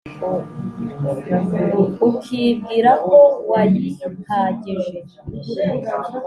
ukibwira ko wayihagije